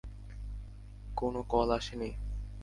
কোনো কল আসে নি?